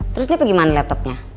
terus ini tuh gimana laptopnya